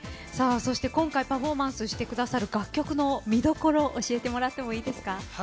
今回パフォーマンスしてくださる楽曲の見どころ教えてもらってもいいですか？